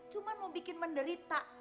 cuma mau bikin menderita